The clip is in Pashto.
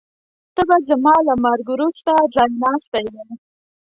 ته به زما له مرګ وروسته ځایناستی وې.